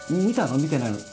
見てないの？